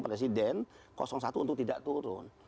presiden satu untuk tidak turun